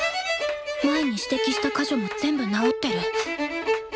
前に指摘した箇所も全部直ってる。